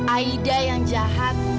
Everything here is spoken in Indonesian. aida yang jahat